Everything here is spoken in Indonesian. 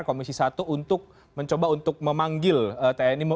komisi satu untuk mencoba untuk memanggil tni